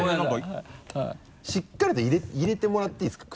しっかりと入れてもらっていいですか？